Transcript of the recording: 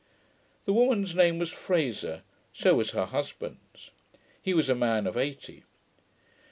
The woman's name was Fraser; so was her husband's. He was a man of eighty.